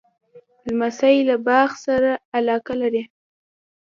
لمسی له باغ سره علاقه لري.